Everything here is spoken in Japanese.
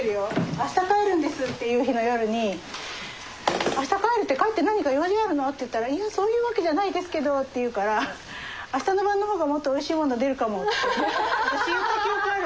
明日帰るんですっていう日の夜に「明日帰るって帰って何か用事があるの？」って言ったら「いやそういう訳じゃないですけど」って言うから「明日の晩の方がもっとおいしいもの出るかも」って私言った記憶があるもん。